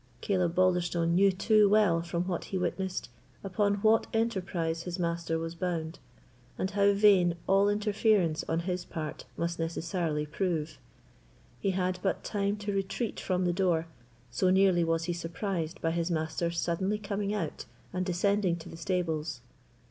Caleb Balderstone knew too well, from what he witnessed, upon what enterprise his master was bound, and how vain all interference on his part must necessarily prove. He had but time to retreat from the door, so nearly was he surprised by his master suddenly coming out and descending to the stables.